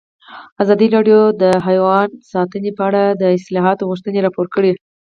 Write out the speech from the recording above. ازادي راډیو د حیوان ساتنه په اړه د اصلاحاتو غوښتنې راپور کړې.